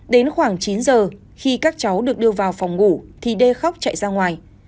đến khoảng chín giờ khi các cháu được đưa vào phòng ngủ thì đê khóc chạy ra ngoài